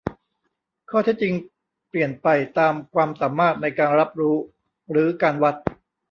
ข้อเท็จจริงเปลี่ยนไปตามความสามารถในการรับรู้หรือการวัด